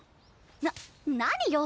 な何よ！